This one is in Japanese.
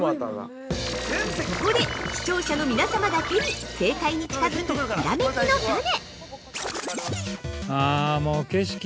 ◆ここで、視聴者の皆様だけに正解に近づくひらめきのタネ。